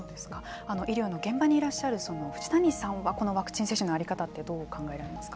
医療の現場にいらっしゃる藤谷さんはこのワクチン接種の在り方ってどうお考えですか。